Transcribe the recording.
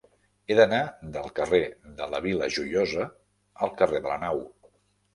He d'anar del carrer de la Vila Joiosa al carrer de la Nau.